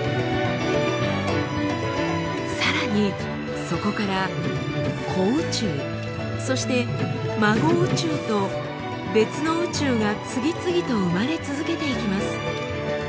さらにそこから子宇宙そして孫宇宙と別の宇宙が次々と生まれ続けていきます。